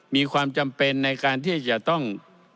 มีความจำเป็นในการที่จะต้อง